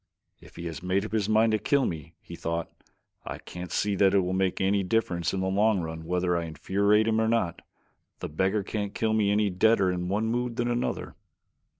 "If he has made up his mind to kill me," he thought. "I can't see that it will make any difference in the long run whether I infuriate him or not. The beggar can't kill me any deader in one mood than another."